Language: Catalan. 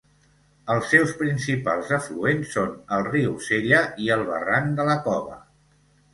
Els seus principals afluents són el riu Sella i el barranc de la Cova.